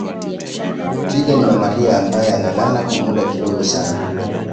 twiga ni mamalia ambaye analala kwa muda kidogo sana